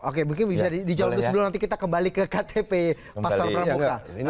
oke mungkin bisa dijawab sebelum nanti kita kembali ke ktp pasar pramuka